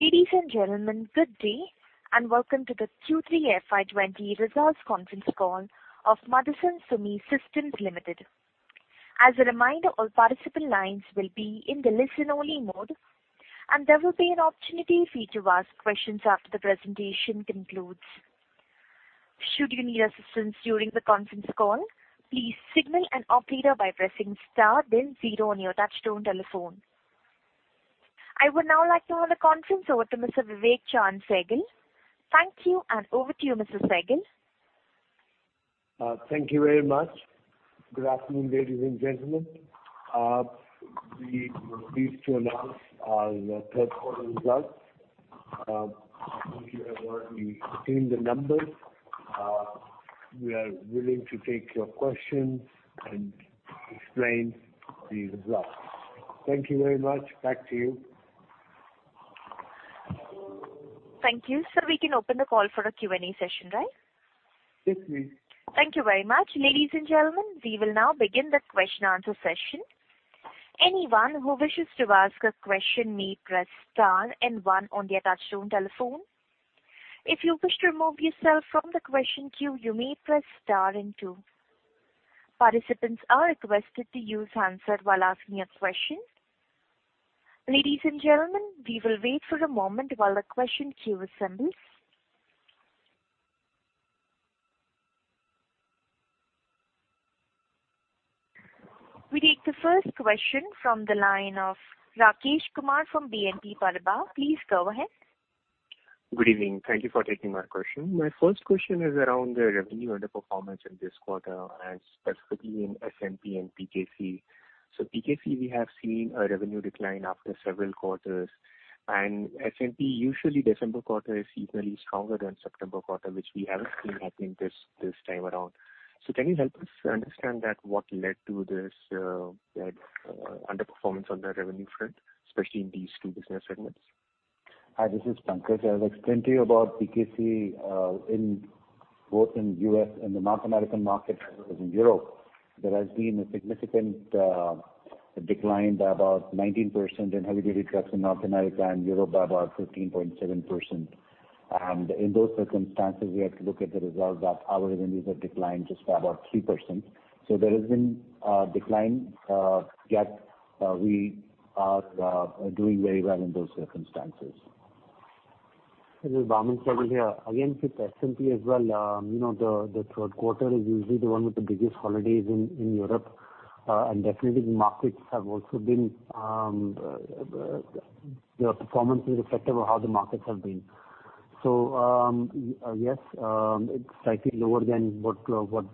Ladies and gentlemen, good day, and welcome to the Q3 FY20 results conference call of Motherson Sumi Systems Limited. As a reminder, all participant lines will be in the listen-only mode, and there will be an opportunity for you to ask questions after the presentation concludes. Should you need assistance during the conference call, please signal an operator by pressing star, then zero on your touch-tone telephone. I would now like to hand the conference over to Mr. Vivek Chaand Sehgal. Thank you, and over to you, Mr. Sehgal. Thank you very much. Good afternoon, ladies and gentlemen. We're pleased to announce our third-quarter results. I think you have already seen the numbers. We are willing to take your questions and explain the results. Thank you very much. Back to you. Thank you. So we can open the call for a Q&A session, right? Yes, please. Thank you very much. Ladies and gentlemen, we will now begin the question-answer session. Anyone who wishes to ask a question may press star and one on their touch-tone telephone. If you wish to remove yourself from the question queue, you may press star and two. Participants are requested to use the handset while asking a question. Ladies and gentlemen, we will wait for a moment while the question queue assembles. We take the first question from the line of Rakesh Kumar from BNP Paribas. Please go ahead. Good evening. Thank you for taking my question. My first question is around the revenue and the performance in this quarter, and specifically in SMP and PKC. So PKC, we have seen a revenue decline after several quarters. And SMP, usually December quarter is even stronger than September quarter, which we haven't seen happening this time around. So can you help us understand what led to this underperformance on the revenue front, especially in these two business segments? Hi, this is Pankaj. I'll explain to you about PKC both in the North American market as well as in Europe. There has been a significant decline by about 19% in heavy-duty trucks in North America and Europe by about 15.7%. In those circumstances, we have to look at the result that our revenues have declined just by about 3%. There has been a decline yet. We are doing very well in those circumstances. This is Vaaman Sehgal here. Again, with SMP as well, the third quarter is usually the one with the biggest holidays in Europe. And definitely, the markets have also been. The performance is reflective of how the markets have been. So yes, it's slightly lower than what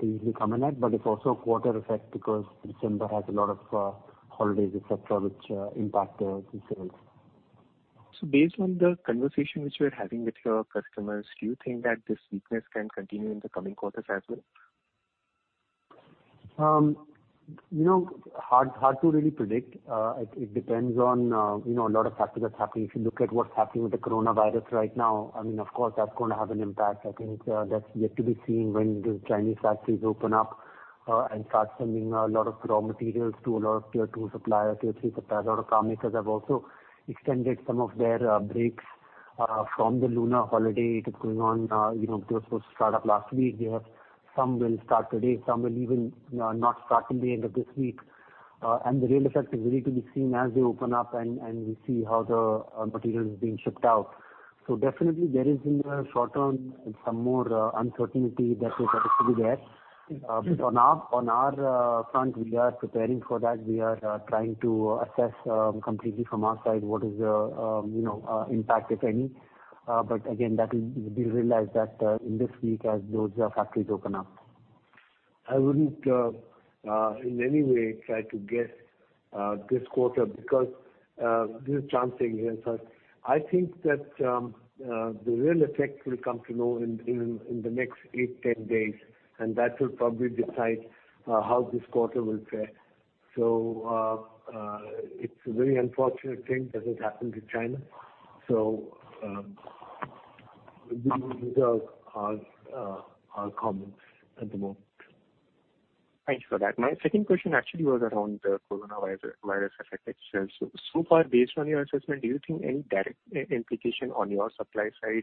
they usually come in at, but it's also a quarter effect because December has a lot of holidays, etc., which impact the sales. So based on the conversation which we're having with your customers, do you think that this weakness can continue in the coming quarters as well? Hard to really predict. It depends on a lot of factors that are happening. If you look at what's happening with the coronavirus right now, I mean, of course, that's going to have an impact. I think that's yet to be seen when the Chinese factories open up and start sending a lot of raw materials to a lot of tier-two suppliers, tier-three suppliers. A lot of carmakers have also extended some of their breaks from the lunar holiday. It is going on. They were supposed to start up last week. Some will start today. Some will even not start till the end of this week. And the real effect is really to be seen as they open up and we see how the material is being shipped out. So definitely, there is in the short term some more uncertainty that is still there. But on our front, we are preparing for that. We are trying to assess completely from our side what is the impact, if any. But again, that will be realized in this week as those factories open up. I wouldn't in any way try to guess this quarter because this is Vivek Chaand Sehgal here. So I think that the real effect will come to know in the next eight, 10 days, and that will probably decide how this quarter will fare. So it's a very unfortunate thing that has happened to China. So we will reserve our comments at the moment. Thank you for that. My second question actually was around the coronavirus effects. So far, based on your assessment, do you think any direct implication on your supply side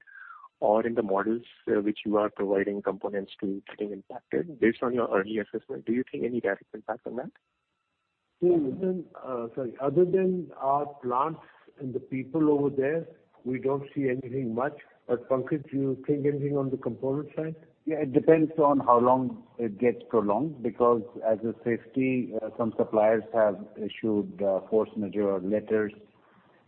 or in the models which you are providing components to getting impacted? Based on your early assessment, do you think any direct impact on that? Other than our plants and the people over there, we don't see anything much. But Pankaj, do you think anything on the component side? Yeah, it depends on how long it gets prolonged because as a safety, some suppliers have issued force majeure letters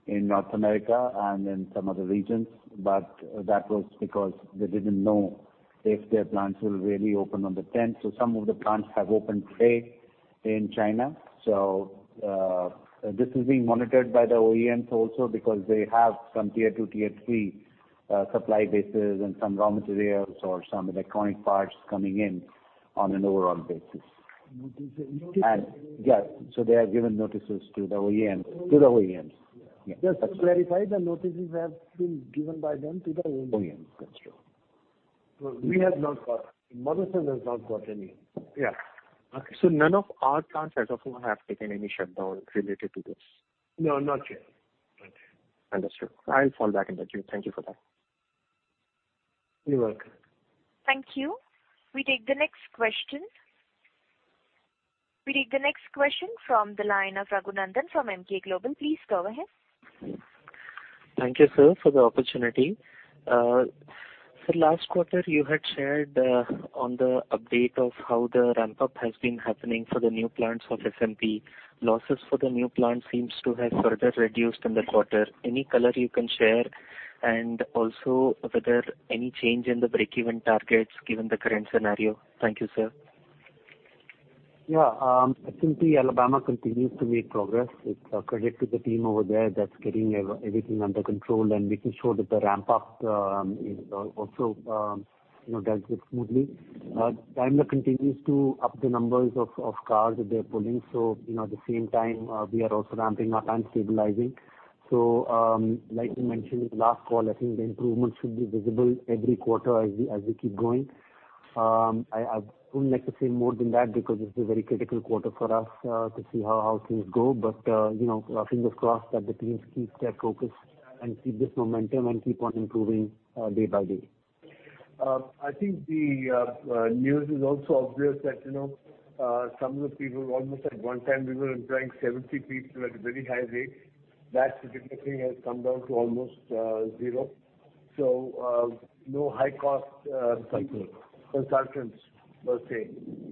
in North America and in some other regions. But that was because they didn't know if their plants will really open on the 10th. So some of the plants have opened today in China. So this is being monitored by the OEMs also because they have some tier-two, tier-three supply bases and some raw materials or some electronic parts coming in on an overall basis. Notices. They have given notices to the OEMs. Just to clarify, the notices have been given by them to the OEMs? OEMs, that's true. We have not got. Motherson has not got any. Yeah. Okay. So none of our plants as of now have taken any shutdown related to this? No, not yet. Understood. I'll fall back into queue. Thank you for that. You're welcome. Thank you. We take the next question. We take the next question from the line of Raghunandan from Emkay Global. Please go ahead. Thank you, sir, for the opportunity. For the last quarter, you had shared on the update of how the ramp-up has been happening for the new plants of SMP. Losses for the new plants seem to have further reduced in the quarter. Any color you can share? And also, was there any change in the break-even targets given the current scenario? Thank you, sir. Yeah, I think the Alabama continues to make progress. It's a credit to the team over there that's getting everything under control and making sure that the ramp-up also does it smoothly. Daimler continues to up the numbers of cars that they're pulling. So at the same time, we are also ramping up and stabilizing. So like you mentioned in the last call, I think the improvement should be visible every quarter as we keep going. I wouldn't like to say more than that because it's a very critical quarter for us to see how things go. But fingers crossed that the teams keep their focus and keep this momentum and keep on improving day by day. I think the news is also obvious that some of the people almost at one time we were employing 70 people at a very high rate. That significantly has come down to almost zero, so no high-cost consultants per se,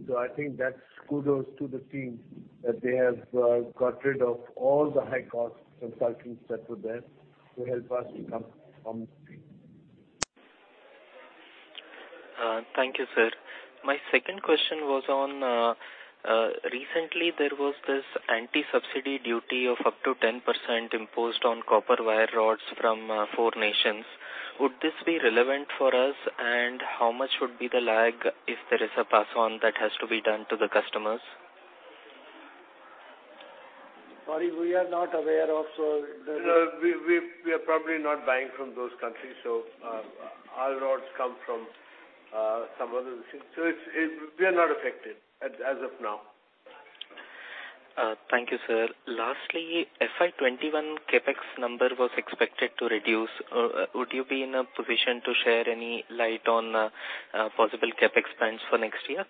so I think that's kudos to the team that they have got rid of all the high-cost consultants that were there to help us to come on the team. Thank you, sir. My second question was on recently there was this anti-subsidy duty of up to 10% imposed on copper wire rods from four nations. Would this be relevant for us, and how much would be the lag if there is a pass-on that has to be done to the customers? Sorry, we are not aware of. We are probably not buying from those countries. So our rods come from some other things. So we are not affected as of now. Thank you, sir. Lastly, FY21 CAPEX number was expected to reduce. Would you be in a position to shed any light on possible CAPEX plans for next year?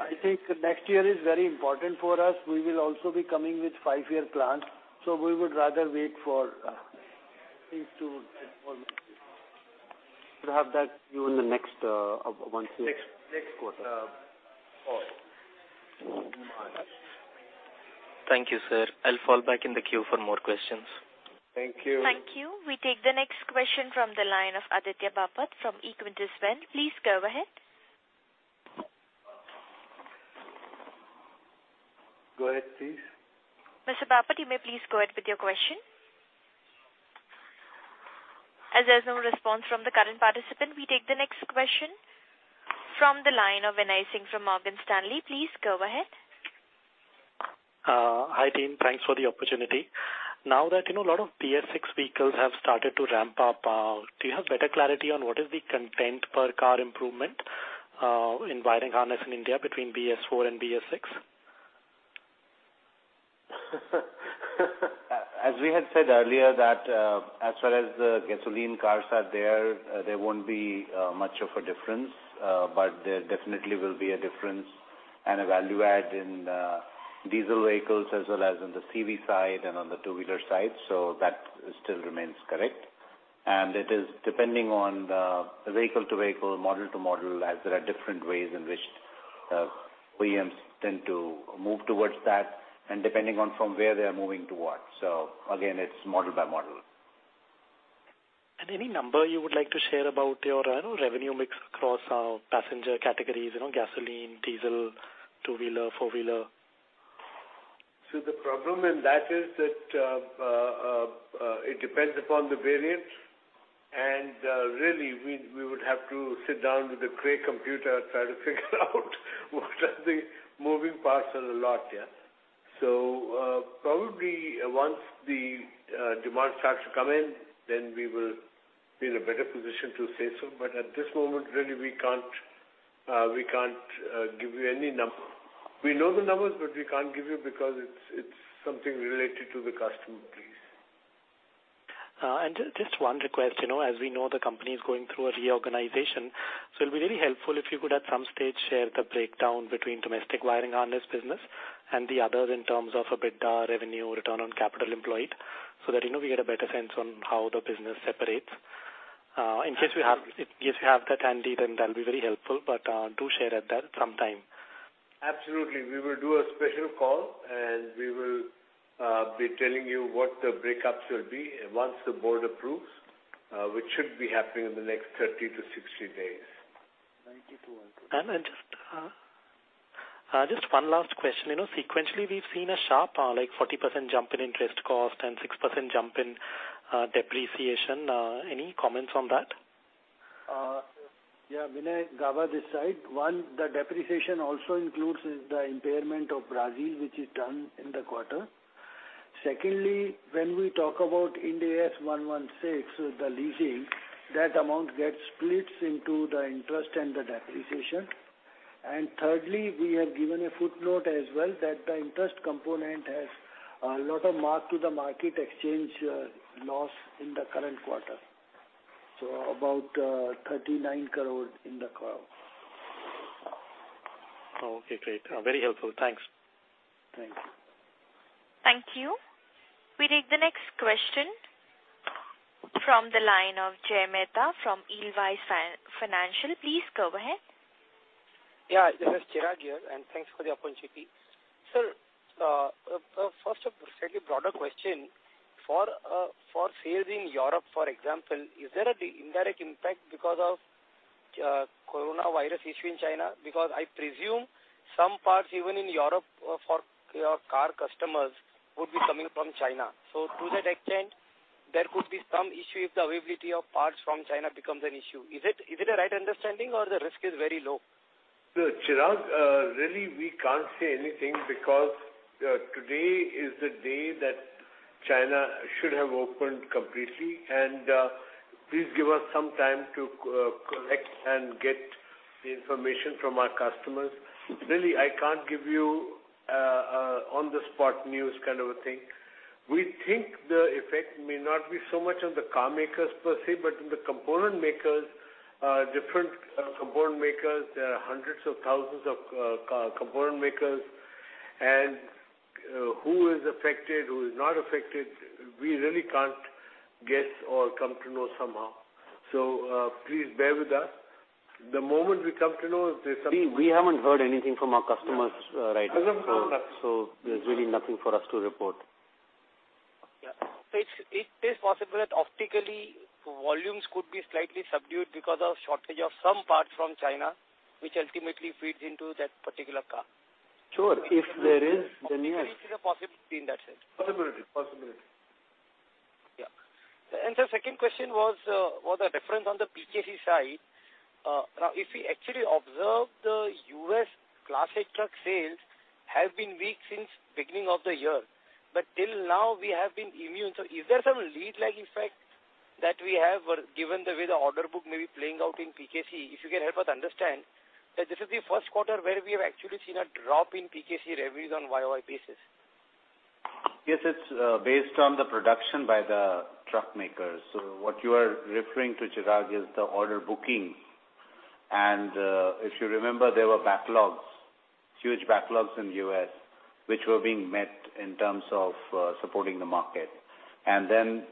I think next year is very important for us. We will also be coming with five-year plans. So we would rather wait for things to. We'll have that queue in the next one. Next quarter. Thank you, sir. I'll fall back in the queue for more questions. Thank you. Thank you. We take the next question from the line of Aditya Bapat from Equirus Securities. Please go ahead. Go ahead, please. Mr. Bapat, you may please go ahead with your question. As there is no response from the current participant, we take the next question from the line of Binay Singh from Morgan Stanley. Please go ahead. Hi team, thanks for the opportunity. Now that a lot of BS6 vehicles have started to ramp up, do you have better clarity on what is the content per car improvement in wiring harness in India between BS4 and BS6? As we had said earlier, that as far as the gasoline cars are there, there won't be much of a difference, but there definitely will be a difference and a value add in diesel vehicles as well as on the CV side and on the two-wheeler side. So that still remains correct. And it is depending on vehicle to vehicle, model to model, as there are different ways in which OEMs tend to move towards that and depending on from where they are moving towards. So again, it's model by model. Any number you would like to share about your revenue mix across passenger categories, gasoline, diesel, two-wheeler, four-wheeler? So the problem in that is that it depends upon the variant. And really, we would have to sit down with a great computer and try to figure out what are the moving parts of the lot. Yeah. So probably once the demand starts to come in, then we will be in a better position to say so. But at this moment, really, we can't give you any number. We know the numbers, but we can't give you because it's something related to the customer base. And just one request, as we know, the company is going through a reorganization. So it would be really helpful if you could at some stage share the breakdown between domestic wiring harness business and the others in terms of EBITDA, revenue, Return on Capital Employed so that we get a better sense on how the business separates. In case you have that handy, then that'll be very helpful, but do share at that some time. Absolutely. We will do a special call, and we will be telling you what the breakups will be once the board approves, which should be happening in the next 30-60 days. Just one last question. Sequentially, we've seen a sharp 40% jump in interest cost and 6% jump in depreciation. Any comments on that? Yeah, G.N. Gauba this side. One, the depreciation also includes the impairment of Brazil, which is done in the quarter. Secondly, when we talk about Ind AS 116, the leasing, that amount gets split into the interest and the depreciation. And thirdly, we have given a footnote as well that the interest component has a lot of mark to the market exchange loss in the current quarter, so about 39 crore in the quarter. Okay, great. Very helpful. Thanks. Thank you. Thank you. We take the next question from the line of Jay Mehta from Edelweiss Financial Services. Please go ahead. Yeah, this is Chirag here, and thanks for the opportunity. Sir, first of all, a fairly broader question. For sales in Europe, for example, is there an indirect impact because of the coronavirus issue in China? Because I presume some parts, even in Europe, for your car customers would be coming from China. So to that extent, there could be some issue if the availability of parts from China becomes an issue. Is it a right understanding or the risk is very low? Chirag, really, we can't say anything because today is the day that China should have opened completely. And please give us some time to collect and get the information from our customers. Really, I can't give you on-the-spot news kind of a thing. We think the effect may not be so much on the car makers per se, but in the component makers, different component makers. There are hundreds of thousands of component makers. And who is affected, who is not affected, we really can't guess or come to know somehow. So please bear with us. The moment we come to know, there's something. We haven't heard anything from our customers right now. So there's really nothing for us to report. It is possible that optically volumes could be slightly subdued because of shortage of some parts from China, which ultimately feeds into that particular car. Sure. If there is, then yes. Is there a possibility in that sense? Possibility. Possibility. Yeah. And the second question was a reference on the PKC side. Now, if we actually observe, the U.S. class A truck sales have been weak since the beginning of the year. But till now, we have been immune. So is there some lead-like effect that we have, given the way the order book may be playing out in PKC? If you can help us understand that this is the first quarter where we have actually seen a drop in PKC revenues on a YoY basis. Yes, it's based on the production by the truck makers. So what you are referring to, Chirag, is the order booking. And if you remember, there were backlogs, huge backlogs in the U.S., which were being met in terms of supporting the market. And then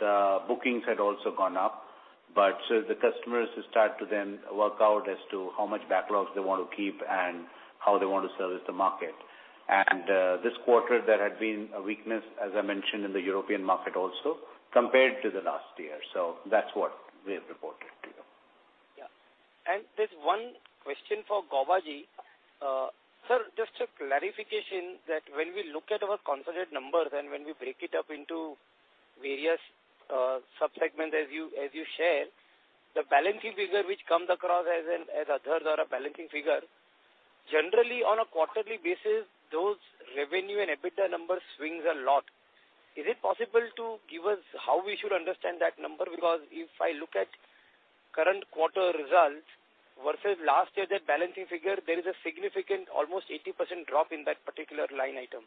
the bookings had also gone up. But so the customers start to then work out as to how much backlogs they want to keep and how they want to service the market. And this quarter, there had been a weakness, as I mentioned, in the European market also compared to the last year. So that's what we have reported to you. Yeah. And there's one question for Gauba. Sir, just a clarification that when we look at our consolidated numbers and when we break it up into various subsegments as you share, the balancing figure which comes across as 'and others' are a balancing figure, generally on a quarterly basis, those revenue and EBITDA numbers swing a lot. Is it possible to give us how we should understand that number? Because if I look at current quarter results versus last year, that balancing figure, there is a significant almost 80% drop in that particular line item.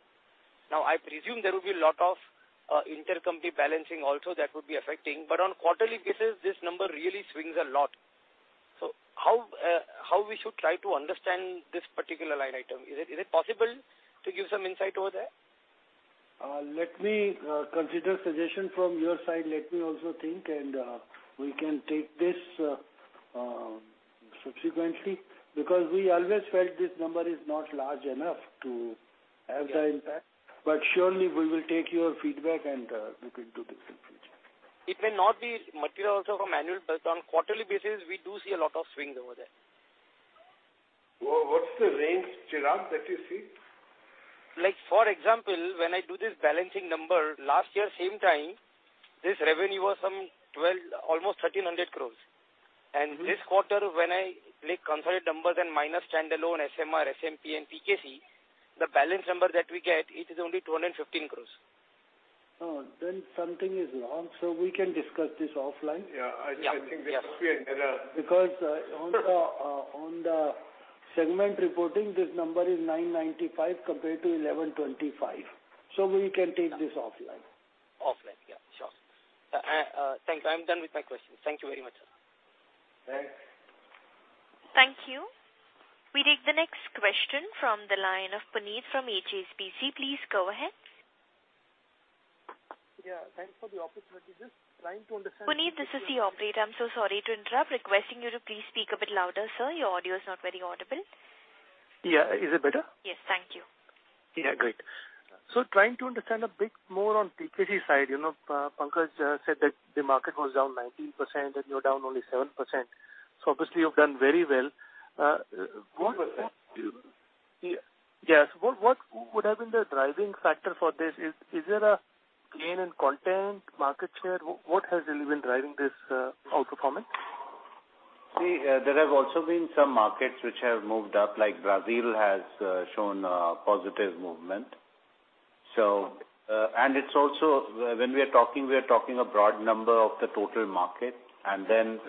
Now, I presume there will be a lot of intercompany balancing also that would be affecting. But on quarterly basis, this number really swings a lot. So how we should try to understand this particular line item? Is it possible to give some insight over there? Let me consider a suggestion from your side. Let me also think, and we can take this subsequently because we always felt this number is not large enough to have the impact. But surely, we will take your feedback and look into this in future. It may not be material also for manual, but on quarterly basis, we do see a lot of swings over there. What's the range, Chirag, that you see? For example, when I do this balancing number, last year, same time, this revenue was almost 1,300 crores, and this quarter, when I consolidate numbers and minus standalone SMR, SMP, and PKC, the balance number that we get, it is only 215 crores. Oh, then something is wrong. So we can discuss this offline. Yeah, I think this must be an error. Because on the segment reporting, this number is 995 compared to 1125. So we can take this offline. Offline. Yeah. Sure. Thank you. I'm done with my questions. Thank you very much, sir. Thanks. Thank you. We take the next question from the line of Puneet from HSBC. Please go ahead. Yeah. Thanks for the opportunity. Just trying to understand. Puneet, this is the operator. I'm so sorry to interrupt. Requesting you to please speak a bit louder, sir. Your audio is not very audible. Yeah. Is it better? Yes. Thank you. Yeah. Great. So trying to understand a bit more on PKC side. Pankaj said that the market was down 19% and you're down only 7%. So obviously, you've done very well. Yeah. So what would have been the driving factor for this? Is there a gain in content, market share? What has really been driving this outperformance? See, there have also been some markets which have moved up, like Brazil has shown a positive movement. And it's also, when we are talking, we are talking a broad number of the total market. And then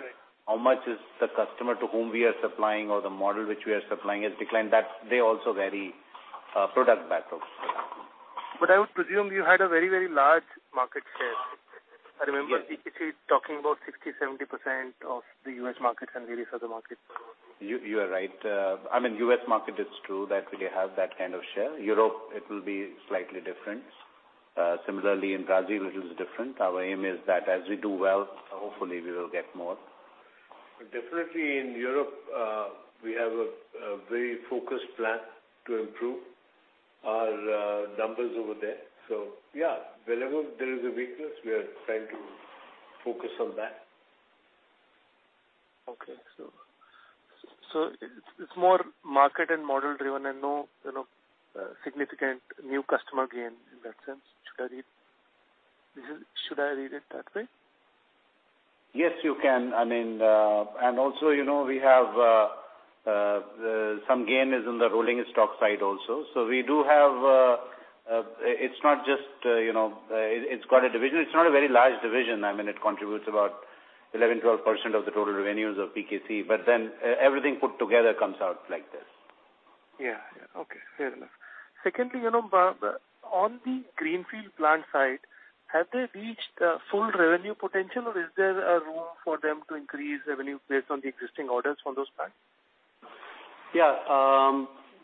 how much is the customer to whom we are supplying or the model which we are supplying has declined, they also vary product backlogs. But I would presume you had a very, very large market share. I remember PKC talking about 60%-70% of the U.S. market and various other markets. You are right. I mean, U.S. market, it's true that we have that kind of share. Europe, it will be slightly different. Similarly, in Brazil, it is different. Our aim is that as we do well, hopefully, we will get more. Definitely, in Europe, we have a very focused plan to improve our numbers over there. So yeah, wherever there is a weakness, we are trying to focus on that. Okay. So it's more market and model-driven and no significant new customer gain in that sense. Should I read it that way? Yes, you can. I mean, and also we have some gains in the rolling stock side also. So we do have. It's not just. It's got a division. It's not a very large division. I mean, it contributes about 11-12% of the total revenues of PKC. But then everything put together comes out like this. Yeah. Okay. Fair enough. Secondly, on the greenfield plant side, have they reached full revenue potential, or is there room for them to increase revenue based on the existing orders for those plants? Yeah.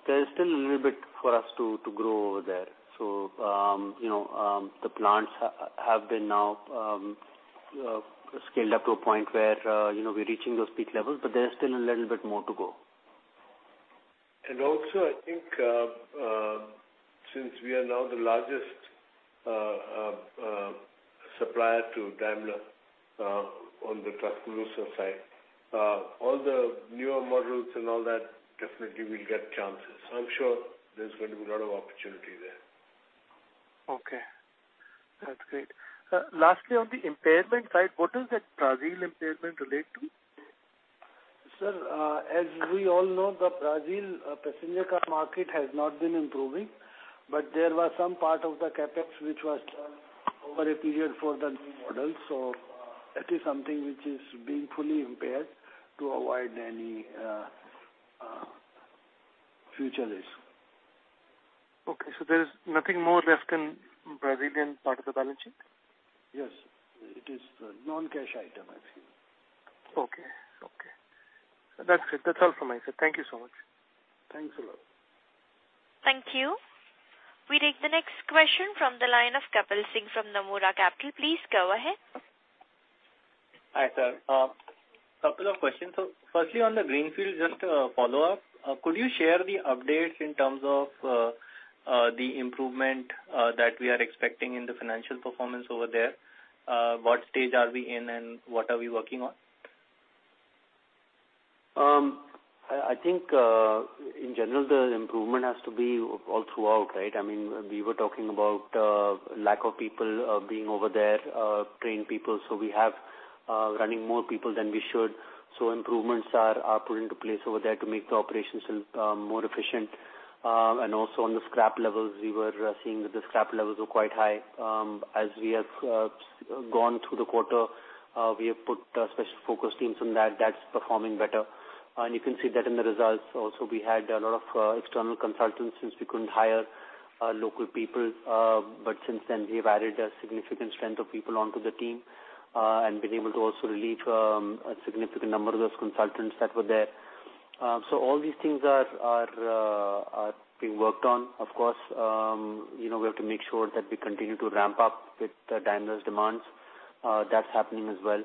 There is still a little bit for us to grow over there. So the plants have been now scaled up to a point where we're reaching those peak levels, but there's still a little bit more to go. Also, I think since we are now the largest supplier to Daimler on the truck producer side, all the newer models and all that definitely will get chances. I'm sure there's going to be a lot of opportunity there. Okay. That's great. Lastly, on the impairment side, what does that Brazil impairment relate to? Sir, as we all know, the Brazil passenger car market has not been improving, but there was some part of the CAPEX which was done over a period for the new models. So that is something which is being fully impaired to avoid any future risk. Okay. So there is nothing more left in Brazilian part of the balance sheet? Yes. It is a non-cash item, I think. Okay. Okay. That's it. That's all from my side. Thank you so much. Thanks a lot. Thank you. We take the next question from the line of Kapil Singh from Nomura. Please go ahead. Hi, sir. A couple of questions. So firstly, on the greenfield, just a follow-up. Could you share the updates in terms of the improvement that we are expecting in the financial performance over there? What stage are we in, and what are we working on? I think, in general, the improvement has to be all throughout, right? I mean, we were talking about lack of people being over there, trained people. So we have running more people than we should. So improvements are put into place over there to make the operations more efficient. And also on the scrap levels, we were seeing that the scrap levels were quite high. As we have gone through the quarter, we have put special focus teams on that. That's performing better. And you can see that in the results. Also, we had a lot of external consultants since we couldn't hire local people. But since then, we've added a significant strength of people onto the team and been able to also relieve a significant number of those consultants that were there. So all these things are being worked on. Of course, we have to make sure that we continue to ramp up with Daimler's demands. That's happening as well.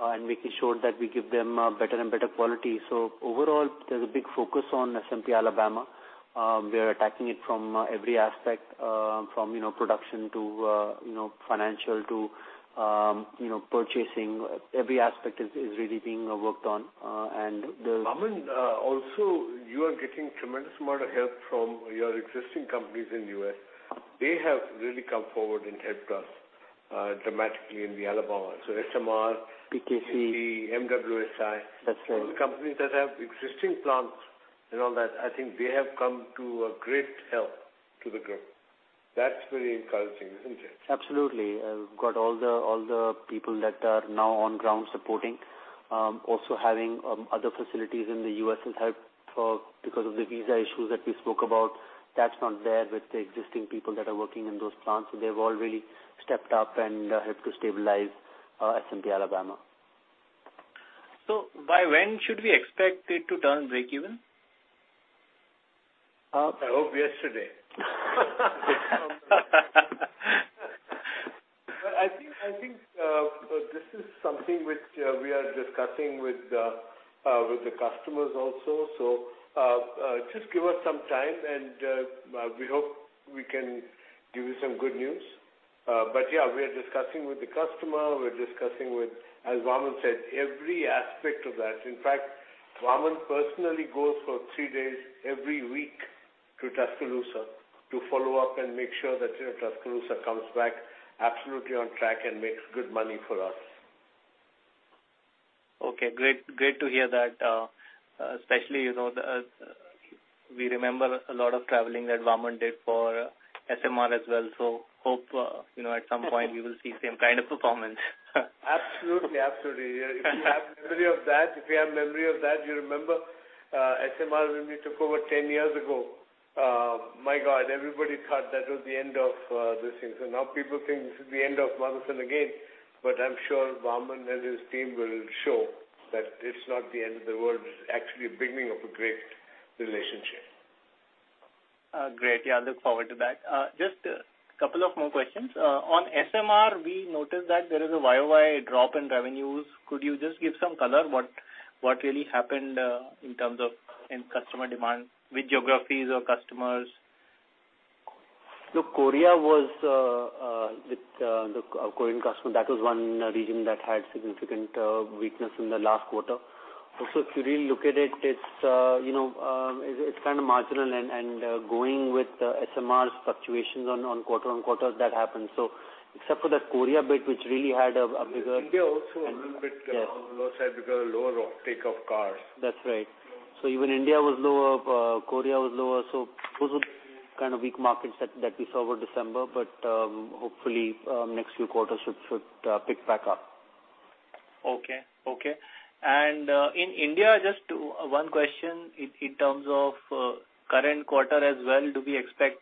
And making sure that we give them better and better quality. So overall, there's a big focus on SMP Alabama. We are attacking it from every aspect, from production to financial to purchasing. Every aspect is really being worked on. And the. I mean, also, you are getting tremendous amount of help from your existing companies in the U.S. They have really come forward and helped us dramatically in the Alabama. So SMR. PKC. MWSI. That's right. Companies that have existing plants and all that, I think they have come to a great help to the group. That's very encouraging, isn't it? Absolutely. We've got all the people that are now on ground supporting. Also having other facilities in the U.S. has helped because of the visa issues that we spoke about. That's not there with the existing people that are working in those plants. So they've all really stepped up and helped to stabilize SMP Alabama. So by when should we expect it to turn breakeven? I hope yesterday. But I think this is something which we are discussing with the customers also. So just give us some time, and we hope we can give you some good news. But yeah, we are discussing with the customer. We're discussing with, as Vaaman said, every aspect of that. In fact, Vaaman personally goes for three days every week to Tuscaloosa to follow up and make sure that Tuscaloosa comes back absolutely on track and makes good money for us. Okay. Great to hear that. Especially we remember a lot of traveling that Vaaman did for SMR as well. So hope at some point we will see the same kind of performance. Absolutely. If you have memory of that, you remember SMR when we took over 10 years ago. My God, everybody thought that was the end of this thing. So now people think this is the end of Motherson again. But I'm sure Vaaman and his team will show that it's not the end of the world. It's actually a beginning of a great relationship. Great. Yeah. I look forward to that. Just a couple of more questions. On SMR, we noticed that there is a YoY drop in revenues. Could you just give some color? What really happened in terms of customer demand with geographies or customers? Look, Korea was with the Korean customer. That was one region that had significant weakness in the last quarter. Also, if you really look at it, it's kind of marginal and going with SMR's fluctuations on quarter on quarter that happens. So except for the Korea bit, which really had a bigger. India also a little bit on the low side because of lower uptake of cars. That's right. So even India was lower, Korea was lower. So those were kind of weak markets that we saw over December. But hopefully, next few quarters should pick back up. Okay. Okay. And in India, just one question in terms of current quarter as well. Do we expect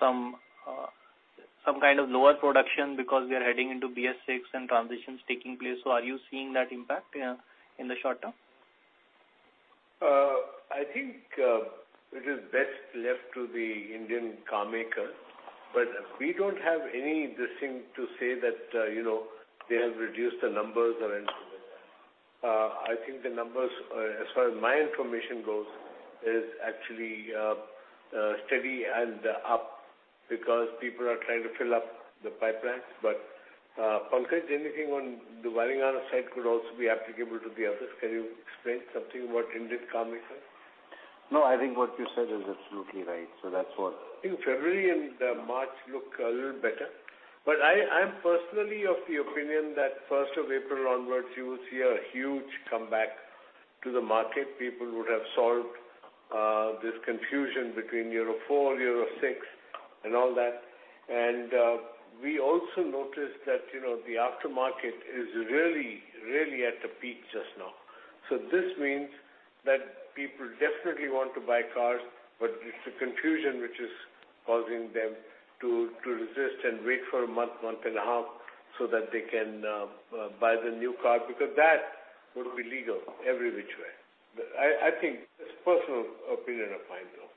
some kind of lower production because we are heading into BS6 and transitions taking place? So are you seeing that impact in the short term? I think it is best left to the Indian car maker. But we don't have anything to say that they have reduced the numbers or anything like that. I think the numbers, as far as my information goes, are actually steady and up because people are trying to fill up the pipelines. But Pankaj, anything on the wiring harness side could also be applicable to the others. Can you explain something about Indian car maker? No, I think what you said is absolutely right. So that's what. I think February and March look a little better. But I'm personally of the opinion that 1st of April onwards, you will see a huge comeback to the market. People would have solved this confusion between BS4, BS6, and all that. And we also noticed that the aftermarket is really, really at a peak just now. So this means that people definitely want to buy cars, but it's the confusion which is causing them to resist and wait for a month, month and a half so that they can buy the new car because that would be legal every which way. I think it's a personal opinion of mine, though.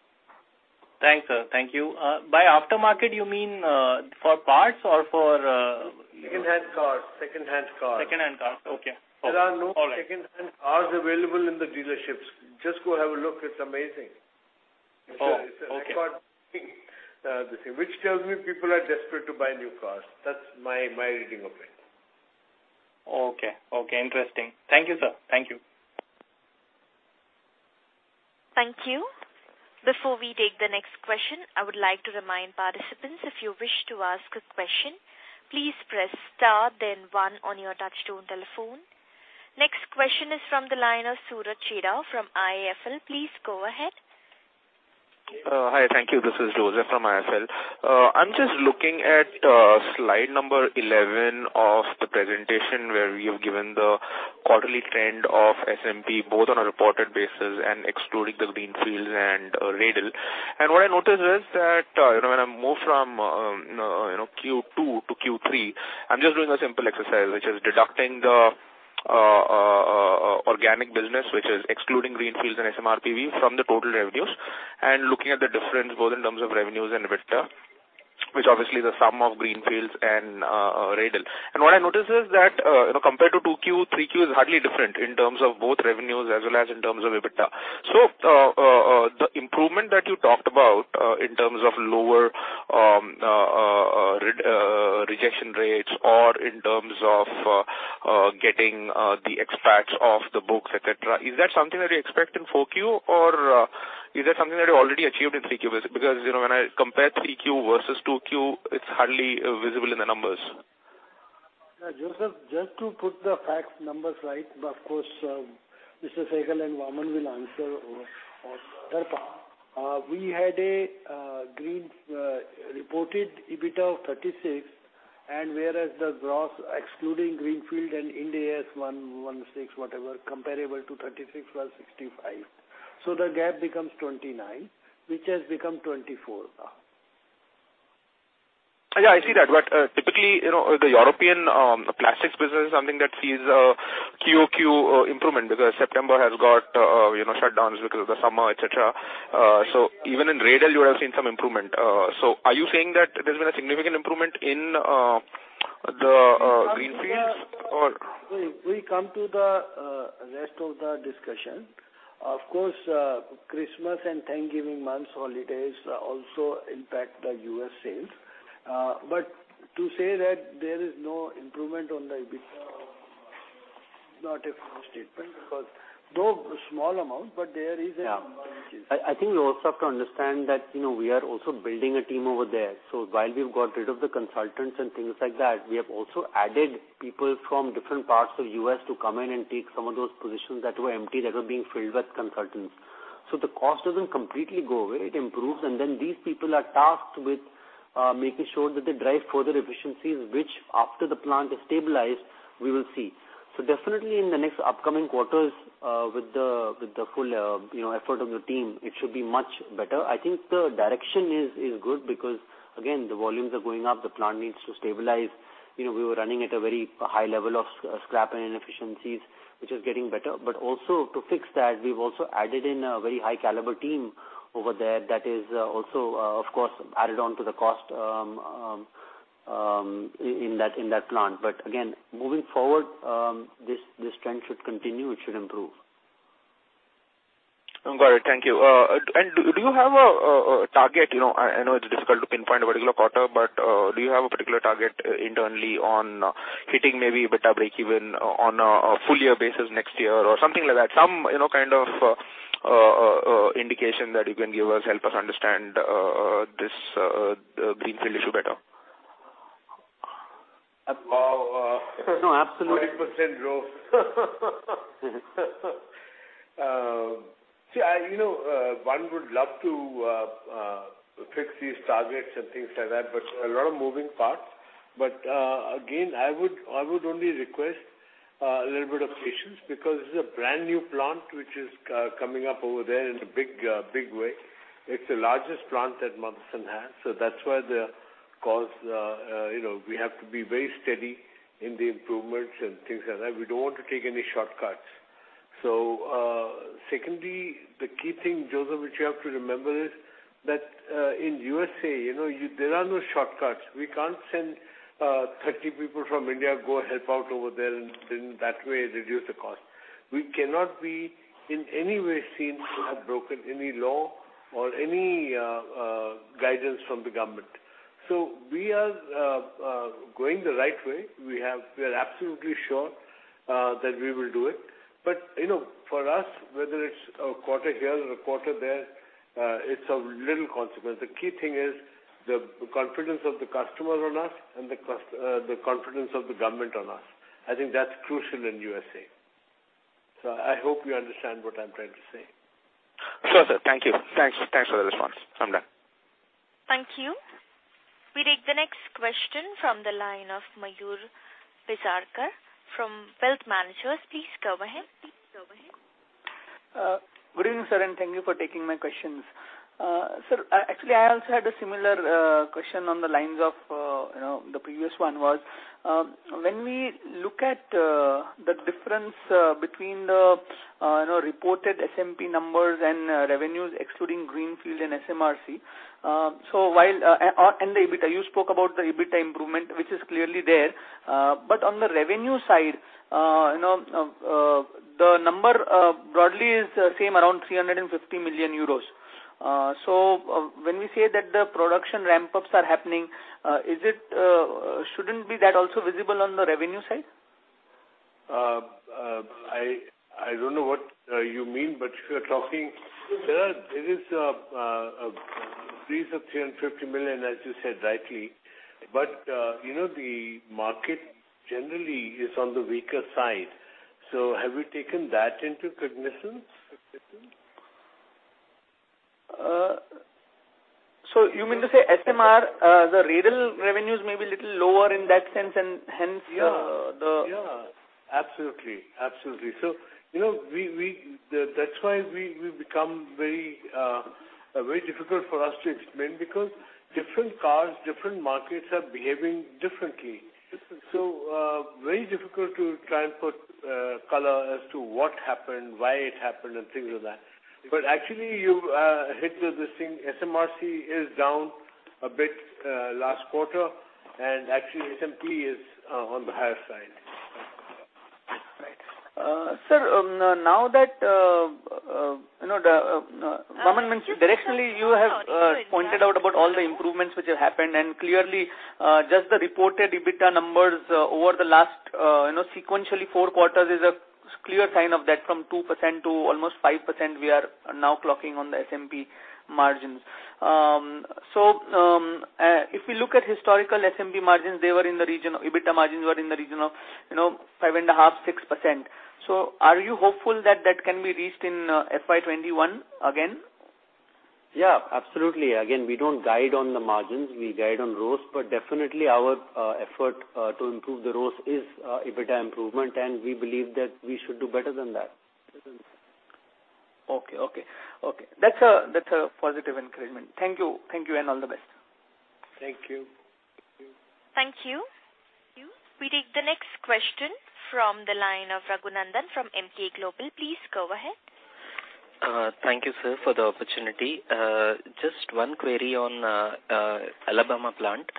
Thanks. Thank you. By aftermarket, you mean for parts or for? Second-hand cars. Second-hand cars. Okay. There are no second-hand cars available in the dealerships. Just go have a look. It's amazing. It's an upward thing, which tells me people are desperate to buy new cars. That's my reading of it. Okay. Okay. Interesting. Thank you, sir. Thank you. Thank you. Before we take the next question, I would like to remind participants, if you wish to ask a question, please press star then one on your touchtone telephone. Next question is from the line of Suraj Chheda from IIFL. Please go ahead. Hi. Thank you. This is Joseph from IIFL. I'm just looking at slide number 11 of the presentation where we have given the quarterly trend of SMP both on a reported basis and excluding the greenfields and Reydel. What I noticed is that when I move from Q2 to Q3, I'm just doing a simple exercise, which is deducting the organic business, which is excluding greenfields and Reydel from the total revenues, and looking at the difference both in terms of revenues and EBITDA, which obviously is the sum of greenfields and Reydel. What I noticed is that compared to 2Q, 3Q is hardly different in terms of both revenues as well as in terms of EBITDA. So the improvement that you talked about in terms of lower rejection rates or in terms of getting the expats off the books, etc., is that something that you expect in 4Q, or is that something that you already achieved in 3Q? Because when I compare 3Q versus 2Q, it's hardly visible in the numbers. Joseph, just to put the facts numbers right, of course, Mr. Sehgal and Vaaman will answer or help us. We had a reported EBITDA of 36, and whereas the gross excluding greenfield and India is 116, whatever, comparable to 36 plus 65. So the gap becomes 29, which has become 24 now. Yeah, I see that. But typically, the European plastics business is something that sees QOQ improvement because September has got shutdowns because of the summer, etc. So even in Reydel, you have seen some improvement. So are you saying that there's been a significant improvement in the greenfields or? We come to the rest of the discussion. Of course, Christmas and Thanksgiving months holidays also impact the U.S. sales, but to say that there is no improvement on the EBITDA is not a fair statement because though small amount, but there is an improvement. Yeah. I think we also have to understand that we are also building a team over there. So while we've got rid of the consultants and things like that, we have also added people from different parts of the U.S. to come in and take some of those positions that were empty that were being filled with consultants. So the cost doesn't completely go away. It improves. And then these people are tasked with making sure that they drive further efficiencies, which, after the plant is stabilized, we will see. So definitely in the next upcoming quarters with the full effort of the team, it should be much better. I think the direction is good because, again, the volumes are going up. The plant needs to stabilize. We were running at a very high level of scrap and inefficiencies, which is getting better. But also to fix that, we've also added in a very high-caliber team over there that is also, of course, added on to the cost in that plant. But again, moving forward, this trend should continue. It should improve. Got it. Thank you. And do you have a target? I know it's difficult to pinpoint a particular quarter, but do you have a particular target internally on hitting maybe EBITDA breakeven on a full-year basis next year or something like that? Some kind of indication that you can give us, help us understand this greenfield issue better. No, absolutely. 40% growth. See, one would love to fix these targets and things like that, but a lot of moving parts. But again, I would only request a little bit of patience because it's a brand new plant which is coming up over there in a big way. It's the largest plant that Motherson has. So that's why because we have to be very steady in the improvements and things like that. We don't want to take any shortcuts. So secondly, the key thing, Joseph, which you have to remember is that in USA, there are no shortcuts. We can't send 30 people from India go help out over there and then that way reduce the cost. We cannot be in any way seen to have broken any law or any guidance from the government. So we are going the right way. We are absolutely sure that we will do it. But for us, whether it's a quarter here or a quarter there, it's of little consequence. The key thing is the confidence of the customer on us and the confidence of the government on us. I think that's crucial in USA. So I hope you understand what I'm trying to say. Joseph, thank you. Thanks for the response. I'm done. Thank you. We take the next question from the line of Mayur Parkeria from Wealth Managers. Please go ahead. Good evening, sir, and thank you for taking my questions. Sir, actually, I also had a similar question on the lines of the previous one was when we look at the difference between the reported SMP numbers and revenues excluding greenfield and SMRC. So while and the EBITDA, you spoke about the EBITDA improvement, which is clearly there. But on the revenue side, the number broadly is the same, around 350 million euros. So when we say that the production ramp-ups are happening, shouldn't be that also visible on the revenue side? I don't know what you mean, but if you're talking, there is a freeze of 350 million, as you said rightly. But the market generally is on the weaker side. So have you taken that into consideration? So you mean to say SMR, the Reydel revenues may be a little lower in that sense, and hence the. Yeah. Absolutely, so that's why we become very difficult for us to explain, because different cars, different markets are behaving differently, so very difficult to try and put color as to what happened, why it happened, and things like that, but actually, you hit the distinct. SMRC is down a bit last quarter, and actually, SMP is on the higher side. Sir, now that Vaaman mentioned directionally, you have pointed out about all the improvements which have happened. And clearly, just the reported EBITDA numbers over the last sequentially four quarters is a clear sign of that from 2% to almost 5% we are now clocking on the SMP margins. So if we look at historical SMP margins, they were in the region of EBITDA margins were in the region of 5.5%, 6%. So are you hopeful that that can be reached in FY21 again? Yeah, absolutely. Again, we don't guide on the margins. We guide on ROCE. But definitely, our effort to improve the ROCE is EBITDA improvement, and we believe that we should do better than that. Okay. That's a positive encouragement. Thank you, and all the best. Thank you. Thank you. We take the next question from the line of Raghunandan from Emkay Global. Please go ahead. Thank you, sir, for the opportunity. Just one query on Alabama plant.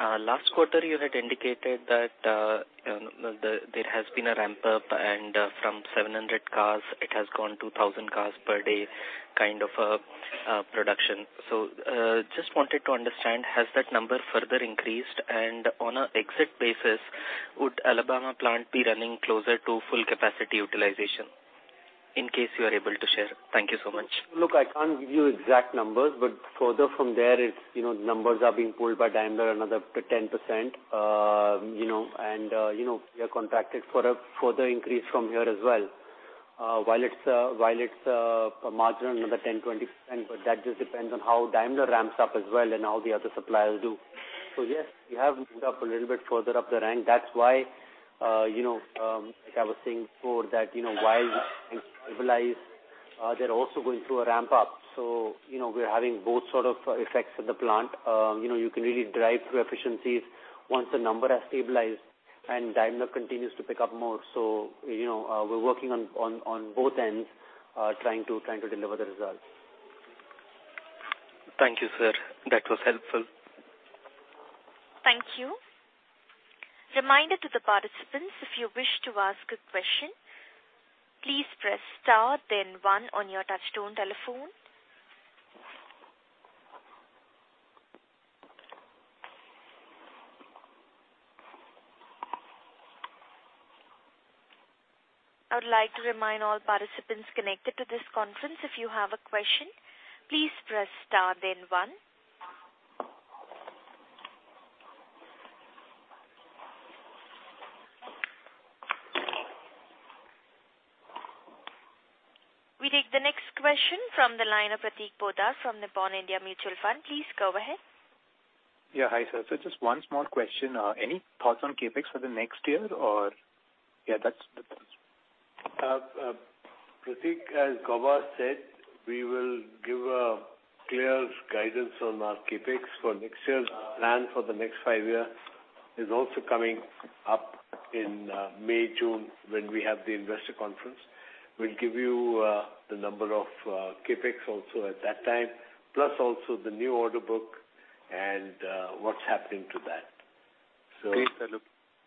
Last quarter, you had indicated that there has been a ramp-up, and from 700 cars, it has gone to 1,000 cars per day kind of production. So just wanted to understand, has that number further increased? And on an exit basis, would Alabama plant be running closer to full capacity utilization in case you are able to share? Thank you so much. Look, I can't give you exact numbers, but further from there, numbers are being pulled by Daimler another 10%. And we are contracted for a further increase from here as well, while it's a margin of another 10%-20%. But that just depends on how Daimler ramps up as well and how the other suppliers do. So yes, we have moved up a little bit further up the rank. That's why, like I was saying before, that while stabilized, they're also going through a ramp-up. So we're having both sort of effects of the plant. You can really drive through efficiencies once the number has stabilized and Daimler continues to pick up more. So we're working on both ends, trying to deliver the results. Thank you, sir. That was helpful. Thank you. Reminder to the participants, if you wish to ask a question, please press star then one on your touchstone telephone. I would like to remind all participants connected to this conference, if you have a question, please press star then one. We take the next question from the line of Prateek Poddar from Nippon India Mutual Fund. Please go ahead. Yeah. Hi, sir. So just one small question. Any thoughts on CAPEX for the next year or yeah, that's. Prateek, as Gauba said, we will give a clear guidance on our CAPEX for next year. The plan for the next five years is also coming up in May, June, when we have the investor conference. We'll give you the number of CAPEX also at that time, plus also the new order book and what's happening to that. So. Great, sir.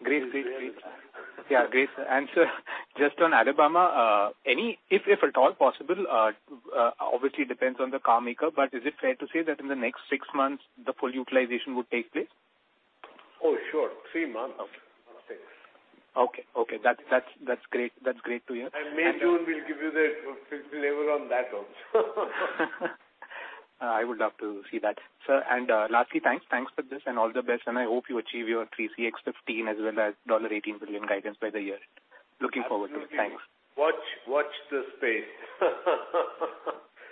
Great. Yeah, great. And sir, just on Alabama, if at all possible, obviously depends on the car maker, but is it fair to say that in the next six months, the full utilization would take place? Oh, sure. Three months. Okay. Okay. That's great. That's great to hear. May, June will give you the flavor on that also. I would love to see that. Sir, and lastly, thanks. Thanks for this and all the best, and I hope you achieve your 3CX15 as well as $18 billion guidance by the year. Looking forward to it. Thanks. Watch the space.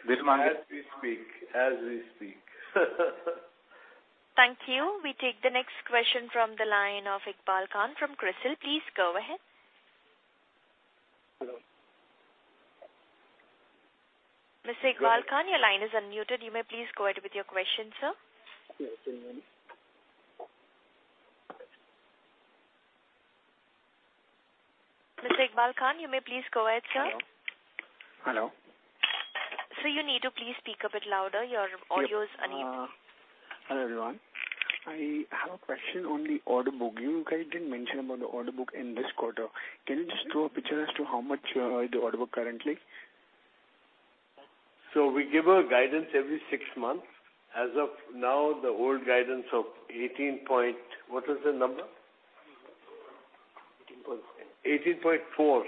As we speak. As we speak. Thank you. We take the next question from the line of Iqbal Khan from CRISIL. Please go ahead. Mr. Iqbal Khan, your line is unmuted. You may please go ahead with your question, sir. Mr. Iqbal Khan, you may please go ahead, sir. Hello. Hello. So you need to please speak a bit louder. Your audio is unmuted. Hello, everyone. I have a question on the order book. You guys didn't mention about the order book in this quarter. Can you just draw a picture as to how much the order book currently? So we give a guidance every six months. As of now, the old guidance of 18 point what was the number? 18.4.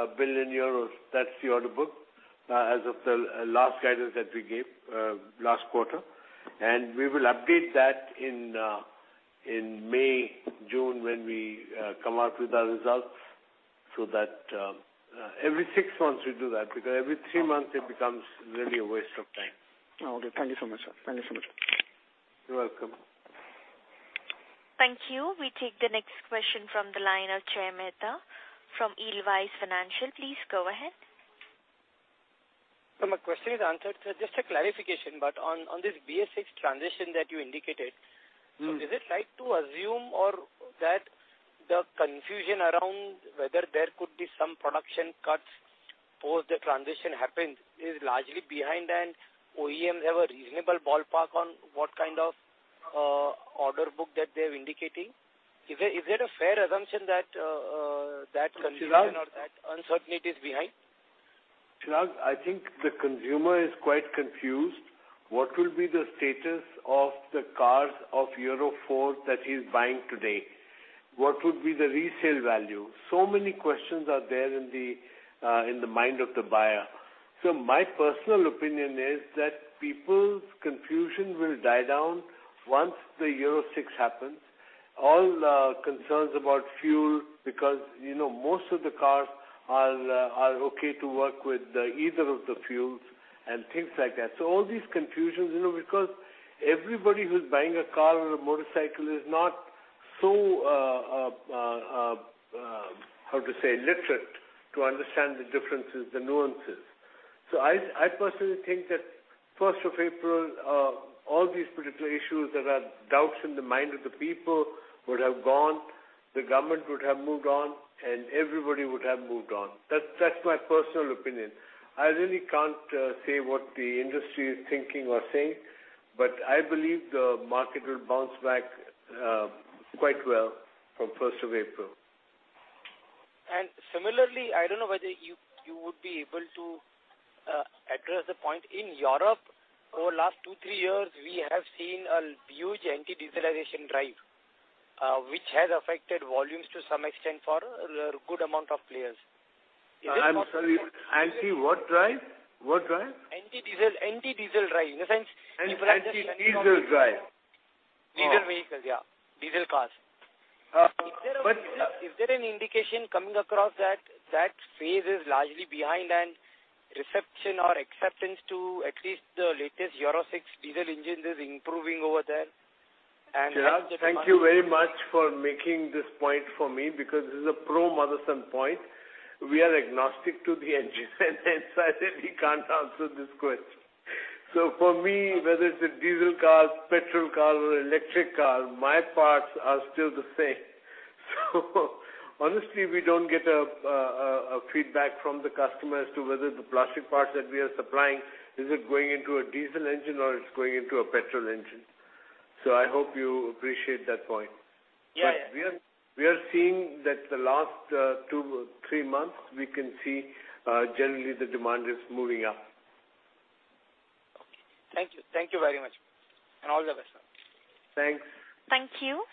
18.4 billion euros. That's the order book as of the last guidance that we gave last quarter. And we will update that in May, June when we come out with our results so that every six months we do that because every three months it becomes really a waste of time. Okay. Thank you so much, sir. Thank you so much. You're welcome. Thank you. We take the next question from the line of Jay Mehta from Edelweiss Financial Services. Please go ahead. So my question is answered. Just a clarification, but on this BS6 transition that you indicated, so is it right to assume that the confusion around whether there could be some production cuts post the transition happened is largely behind and OEMs have a reasonable ballpark on what kind of order book that they are indicating? Is it a fair assumption that confusion or that uncertainty is behind? I think the consumer is quite confused. What will be the status of the cars of Euro 4 that he's buying today? What would be the resale value? So many questions are there in the mind of the buyer. So my personal opinion is that people's confusion will die down once the Euro 6 happens. All concerns about fuel because most of the cars are okay to work with either of the fuels and things like that. So all these confusions because everybody who's buying a car or a motorcycle is not so, how to say, literate to understand the differences, the nuances. So I personally think that 1st of April, all these particular issues that are doubts in the mind of the people would have gone, the government would have moved on, and everybody would have moved on. That's my personal opinion. I really can't say what the industry is thinking or saying, but I believe the market will bounce back quite well from 1st of April. Similarly, I don't know whether you would be able to address the point. In Europe, over the last two, three years, we have seen a huge anti-dieselization drive, which has affected volumes to some extent for a good amount of players. I'm sorry. Anti what drive? What drive? Anti-diesel drive. In a sense, people have to. Anti-diesel drive. Diesel vehicles, yeah. Diesel cars. Is there an indication coming across that that phase is largely behind and reception or acceptance to at least the latest Euro 6 diesel engines is improving over there? Thank you very much for making this point for me because this is a pro-Motherson point. We are agnostic to the engine, and I said we can't answer this question, so for me, whether it's a diesel car, petrol car, or electric car, my parts are still the same, so honestly, we don't get feedback from the customers to whether the plastic parts that we are supplying, is it going into a diesel engine or it's going into a petrol engine, so I hope you appreciate that point, but we are seeing that the last two, three months, we can see generally the demand is moving up. Thank you. Thank you very much. And all the best, sir. Thanks. Thank you.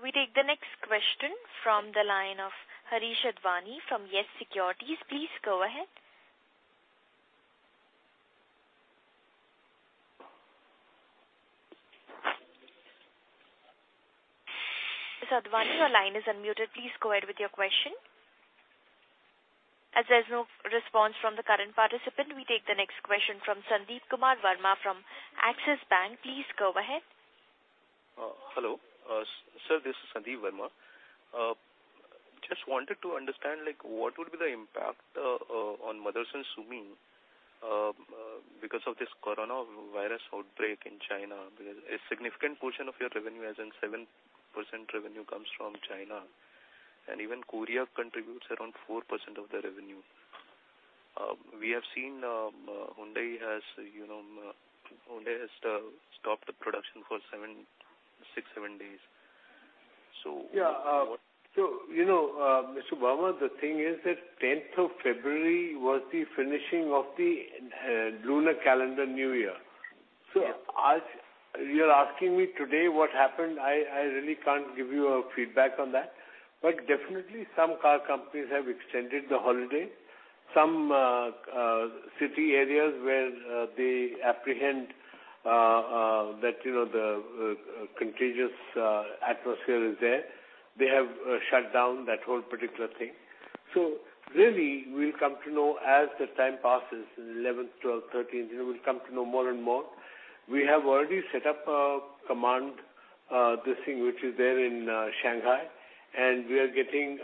We take the next question from the line of Harish Advani from Yes Securities. Please go ahead. Mr. Advani, your line is unmuted. Please go ahead with your question. As there's no response from the current participant, we take the next question from Sandeep Kumar Varma from Axis Bank. Please go ahead. Hello. Sir, this is Sandeep Varma. Just wanted to understand what would be the impact on Motherson Sumi because of this coronavirus outbreak in China? A significant portion of your revenue, as in 7% revenue, comes from China. And even Korea contributes around 4% of the revenue. We have seen Hyundai has stopped the production for six, seven days. So. Yeah. So Mr. Varma, the thing is that 10th of February was the finishing of the Lunar New Year. So you're asking me today what happened. I really can't give you a feedback on that. But definitely, some car companies have extended the holiday. Some city areas where they apprehend that the contagious atmosphere is there, they have shut down that whole particular thing. So really, we'll come to know as the time passes, 11th, 12th, 13th, we'll come to know more and more. We have already set up a command center, which is there in Shanghai, and we are getting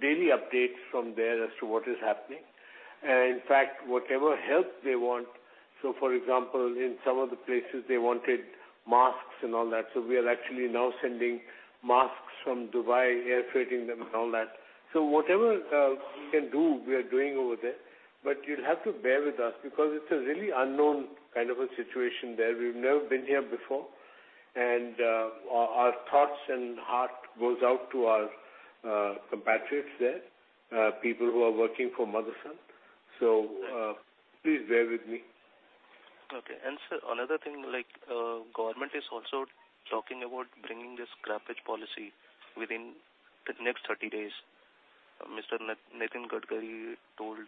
daily updates from there as to what is happening. And in fact, whatever help they want. So for example, in some of the places, they wanted masks and all that. So we are actually now sending masks from Dubai, airfreighting them and all that. So whatever we can do, we are doing over there. But you'll have to bear with us because it's a really unknown kind of a situation there. We've never been here before. And our thoughts and heart goes out to our compatriots there, people who are working for Motherson. So please bear with me. Okay. Sir, another thing, the government is also talking about bringing this scrappage policy within the next 30 days. Mr. Nitin Gadkari told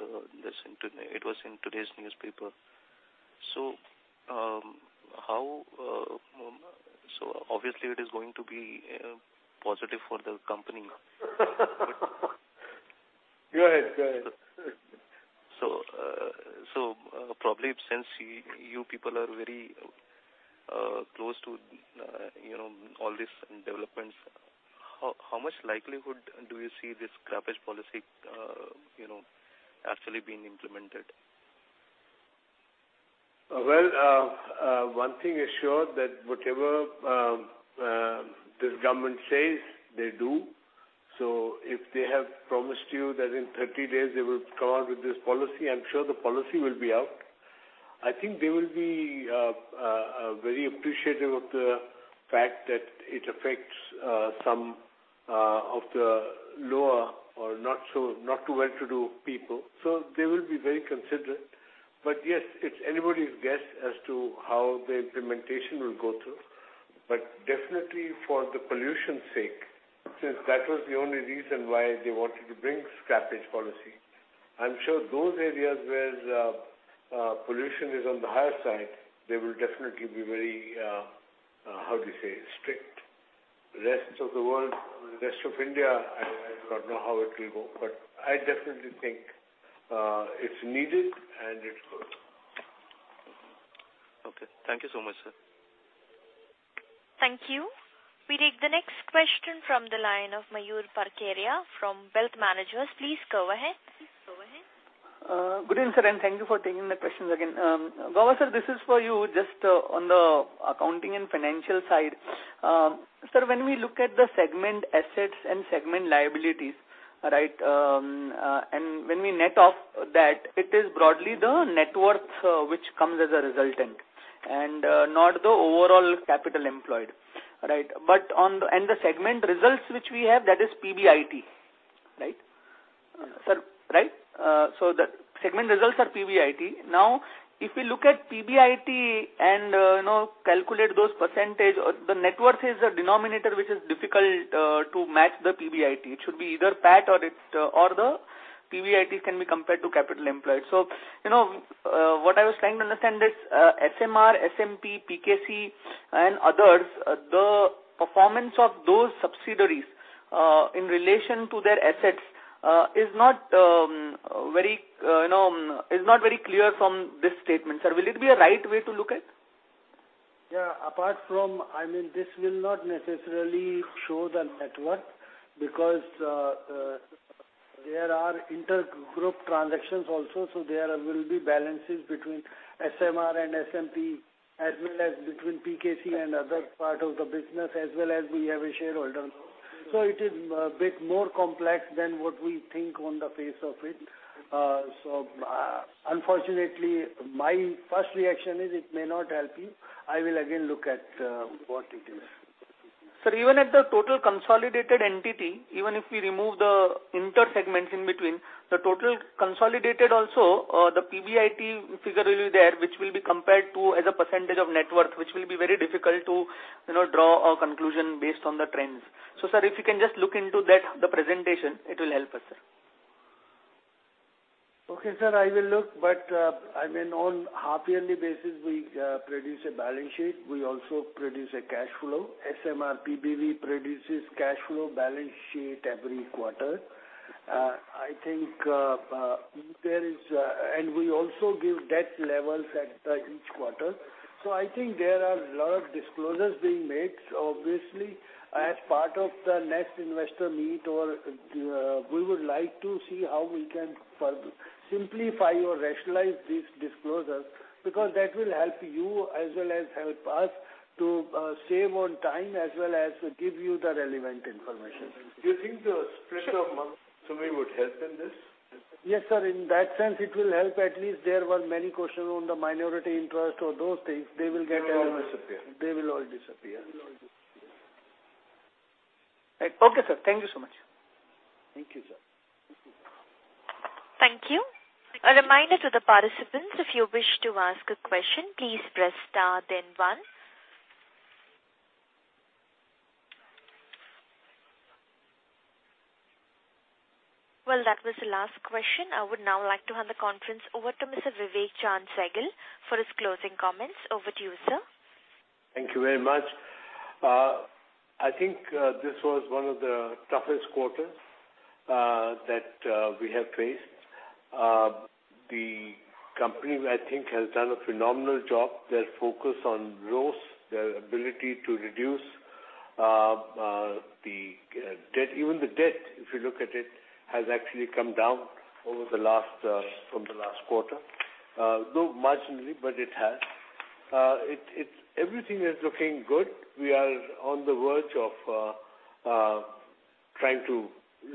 this. It was in today's newspaper. Obviously, it is going to be positive for the company. Go ahead. Go ahead. So probably since you people are very close to all these developments, how much likelihood do you see this Scrappage Policy actually being implemented? One thing is sure that whatever this government says, they do. So if they have promised you that in 30 days, they will come out with this policy, I'm sure the policy will be out. I think they will be very appreciative of the fact that it affects some of the lower or not too well-to-do people. So they will be very considerate. But yes, it's anybody's guess as to how the implementation will go through. But definitely for the pollution's sake, since that was the only reason why they wanted to bring scrappage policy, I'm sure those areas where pollution is on the higher side, they will definitely be very, how do you say, strict. The rest of the world, the rest of India, I don't know how it will go. But I definitely think it's needed and it will. Okay. Thank you so much, sir. Thank you. We take the next question from the line of Mayur Parkeria from Wealth Managers. Please go ahead. Good evening, sir, and thank you for taking the questions again. Gauba, sir, this is for you just on the accounting and financial side. Sir, when we look at the segment assets and segment liabilities, right, and when we net off that, it is broadly the net worth which comes as a resultant and not the overall capital employed, right? And the segment results which we have, that is PBIT, right? Sir, right? So the segment results are PBIT. Now, if we look at PBIT and calculate those percentage, the net worth is a denominator which is difficult to match the PBIT. It should be either PAT or the PBIT can be compared to capital employed. So what I was trying to understand is SMR, SMP, PKC, and others, the performance of those subsidiaries in relation to their assets is not very clear from this statement. Sir, will it be a right way to look at? Yeah. Apart from, I mean, this will not necessarily show the net worth because there are intergroup transactions also. So there will be balances between SMR and SMP as well as between PKC and other part of the business as well as we have a shareholder. So it is a bit more complex than what we think on the face of it. So unfortunately, my first reaction is it may not help you. I will again look at what it is. Sir, even at the total consolidated entity, even if we remove the inter-segments in between, the total consolidated also, the PBIT figure will be there, which will be compared to as a percentage of net worth, which will be very difficult to draw a conclusion based on the trends. So sir, if you can just look into the presentation, it will help us, sir. Okay, sir. I will look, but I mean, on a half-yearly basis, we produce a balance sheet. We also produce a cash flow. SMRP BV produces cash flow balance sheet every quarter. I think there is, and we also give debt levels at each quarter. So I think there are a lot of disclosures being made, obviously, as part of the next investor meet or we would like to see how we can simplify or rationalize these disclosures because that will help you as well as help us to save on time as well as give you the relevant information. Do you think the spread of Motherson Sumi would help in this? Yes, sir. In that sense, it will help. At least there were many questions on the minority interest or those things. They will get a little... They will all disappear. They will all disappear. Okay, sir. Thank you so much. Thank you, sir. Thank you. A reminder to the participants, if you wish to ask a question, please press star then one. That was the last question. I would now like to hand the conference over to Mr. Vivek Chaand Sehgal for his closing comments. Over to you, sir. Thank you very much. I think this was one of the toughest quarters that we have faced. The company, I think, has done a phenomenal job. Their focus on growth, their ability to reduce the debt, even the debt, if you look at it, has actually come down over the last quarter, though marginally, but it has. Everything is looking good. We are on the verge of trying to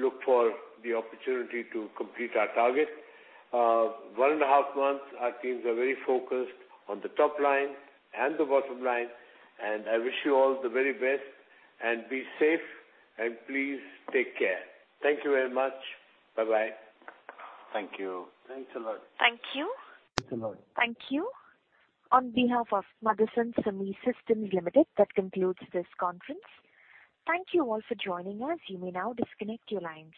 look for the opportunity to complete our target. One and a half months, our teams are very focused on the top line and the bottom line. And I wish you all the very best and be safe. And please take care. Thank you very much. Bye-bye. Thank you. Thanks a lot. Thank you. Thanks a lot. Thank you. On behalf of Motherson Sumi Systems Limited, that concludes this conference. Thank you all for joining us. You may now disconnect your lines.